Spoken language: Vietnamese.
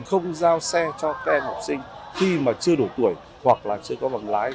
không giao xe cho các em học sinh khi mà chưa đủ tuổi hoặc là chưa có bằng lái